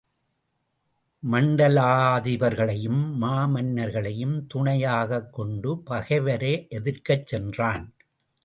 மண்டலாதிபர்களையும் மாமன்னர்களையும் துணை யாகக் கொண்டு பகைவரை எதிர்க்கச் சென்றான்.